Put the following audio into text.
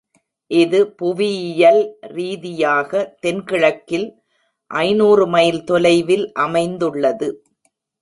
இது புவியியல் ரீதியாக தென்கிழக்கில் ஐநூறு மைல் தொலைவில் அமைந்துள்ளது.